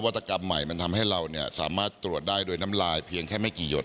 ตกรรมใหม่มันทำให้เราสามารถตรวจได้โดยน้ำลายเพียงแค่ไม่กี่หยด